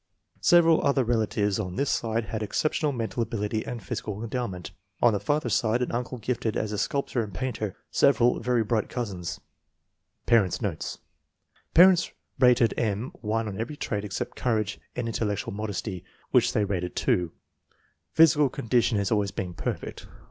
Several other relatives on this side had exceptional mental ability and physical endowment. On the father's side, FORTY ONE SUPEBIOB CHILDREN 225 an uncle gifted as a sculptor and painter. Several very bright cousins. Parents 9 notes. Parents rated M. 1 on every trait except courage and intellectual modesty, which they rated 2. Physical condition has always been perfect.